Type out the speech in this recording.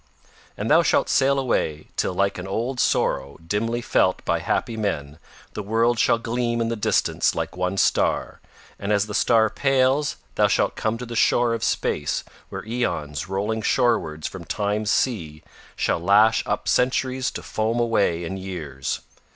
And thou shalt sail away till like an old sorrow dimly felt by happy men the worlds shall gleam in the distance like one star, and as the star pales thou shalt come to the shore of space where aeons rolling shorewards from Time's sea shall lash up centuries to foam away in years.